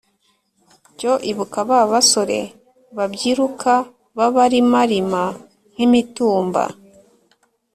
cyo ibuka ba basore babyiruka babarimarima nk’imitumba